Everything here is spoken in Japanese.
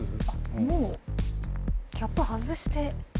もうキャップ外して。